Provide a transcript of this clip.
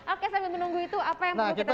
oke sambil menunggu itu apa yang perlu kita siapin